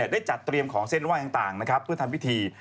ได้จัดเตรียมของเส้นว่างต่างนะครับเพื่อทำพิธี